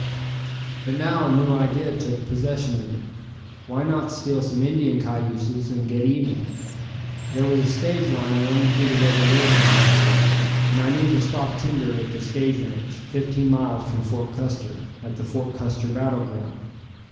But now a new idea took possession of me. Why not steal some Indian cayuses and get even? There was a stage line running through the reservation them days, and I knew the stock tender at the stage ranch, fifteen miles from Fort Custer, at the Fort Custer battle ground.